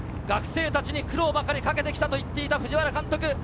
学生たちに苦労ばかりかけてきたと言っていた藤原監督。